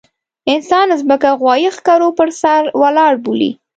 انسان ځمکه غوايي ښکرو پر سر ولاړه بولي.